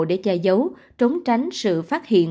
để che giấu trốn tránh sự phát hiện